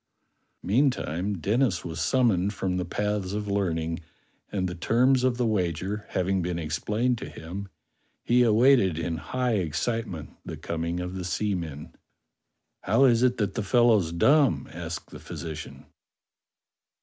Mean time, Denis was summoned from the paths of learning, and the terms of the wager having been explained to him, he awaited in high excitement the coming of the seamen. "How is it that the fellow's dumb?" asked the phy sician.